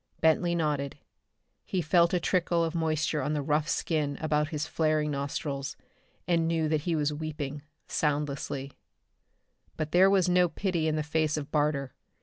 Bentley nodded. He felt a trickle of moisture on the rough skin about his flaring nostrils and knew that he was weeping, soundlessly. But there was no pity in the face of Barter.